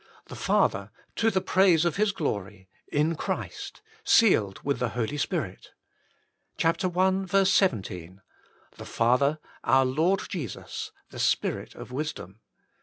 The Father, to the praise of His Glory, in Christ, sealed with the Holy Spirit. i. 17. The Father, Our Lord Jesus, the Spirit of Wisdom.